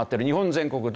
日本全国